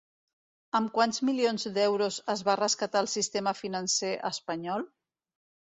Amb quants milions d'euros es va rescatar el sistema financer espanyol?